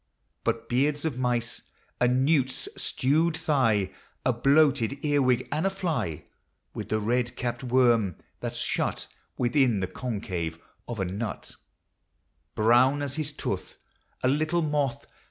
But beards of mice, a newt's stewed thigh, A bloated earwig, and a fly ; With the red capt worm, that 's shut Within the concave of a nut 1<; P0EM8 OF FANCY. Brown as his tooth. A little moth.